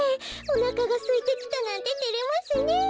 おなかがすいてきたなんててれますね。